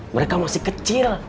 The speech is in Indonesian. mereka masih kecil